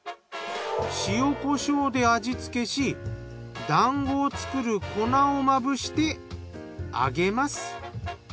塩・コショウで味付けしだんごを作る粉をまぶして揚げます。